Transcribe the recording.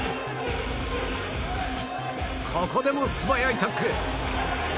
ここでも素早いタックル！